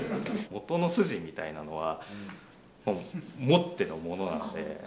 音の筋みたいなのは持ってのものなので。